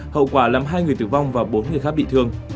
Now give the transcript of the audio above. hậu quả làm hai người tử vong và bốn người khác bị thương